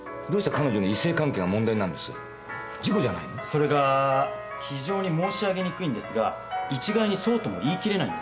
それが非常に申し上げにくいんですが一概にそうとも言い切れないんです。